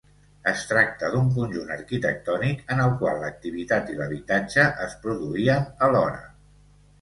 Es tracta d'un conjunt arquitectònic en el qual l'activitat i l'habitatge es produïen alhora.